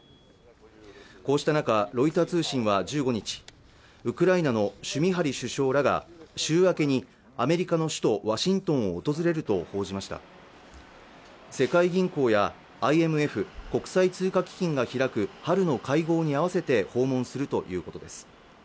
こうした中ロイター通信は１５日ウクライナの趣味はり首相らが週明けにアメリカの首都ワシントンを訪れると報じました世界銀行やＩＭＦ＝国際通貨基金が開く春の会合に合わせて訪問するということです